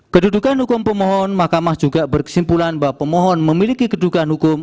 kedudukan hukum pemohon mahkamah juga berkesimpulan bahwa pemohon memiliki kedukaan hukum